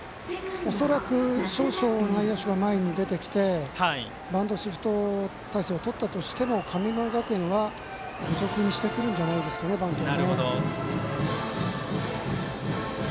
恐らく少々、内野手が出てきてバントシフト態勢をとったとしても神村学園は愚直にしてくるんじゃないですか、バントを。